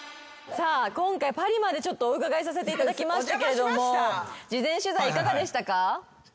今回パリまでお伺いさせていただきましたけども事前取材いかがでしたか？